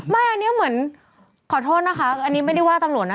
ไม่อันนี้เหมือนขอโทษนะคะอันนี้ไม่ได้ว่าตำรวจนะ